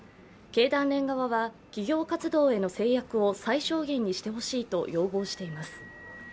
経団連側は企業活動への制約を最小限にしてほしいと要望しています。